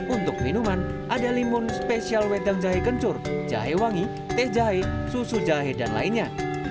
untuk minuman ada limun spesial wedang jahe kencur jahe wangi teh jahe susu jahe dan lainnya